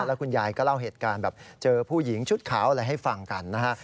แล้วคุณยายก็เล่าเหตุการณ์แบบเจอผู้หญิงชุดขาวอะไรให้ฟังกันนะฮะ